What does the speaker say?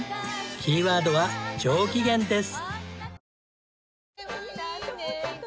キーワードは「上機嫌」です。